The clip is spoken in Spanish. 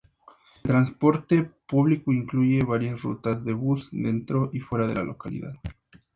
El transporte público incluye varias rutas de bus dentro y fuera de la localidad.